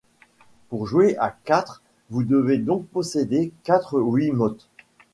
Pour jouer à quatre vous devez donc posséder quatre Wiimotes.